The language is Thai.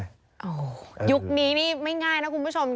โอ้โหยุคนี้นี่ไม่ง่ายนะคุณผู้ชม